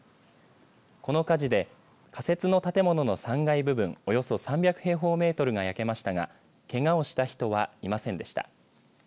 この火事で仮設の建物の３階部分およそ３００平方メートルが焼けましたがけがをした人はいませんでした。